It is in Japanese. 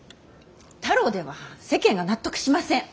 太郎では世間が納得しません！